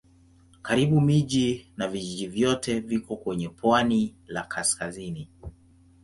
Karibu miji na vijiji vyote viko kwenye pwani la kaskazini.